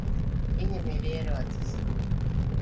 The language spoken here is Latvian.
Viņam ir ierocis.